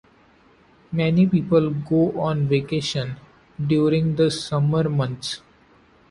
Many people go on vacation during the summer months.